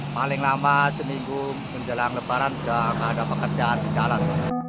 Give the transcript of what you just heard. paling lama seminggu menjelang lebaran sudah tidak ada pekerjaan di jalan